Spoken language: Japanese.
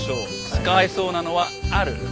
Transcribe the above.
使えそうなのはある？